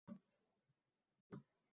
Biroq podsho majbur qilgach